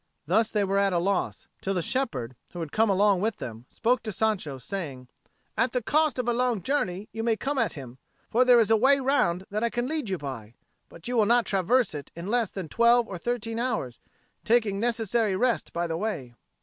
Thus they were at a loss, till the shepherd who had come along with them spoke to Sancho, saying, "At the cost of a long journey you may come at him; for there is a way round that I can lead you by. But you will not traverse it in less than twelve or thirteen hours, taking necessary rest by the way."